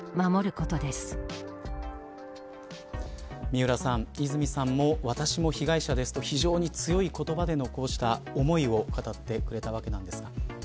三浦さん、和さんも私も被害者ですと非常に強い言葉でのこうした思いを語ってくれたわけなんですが。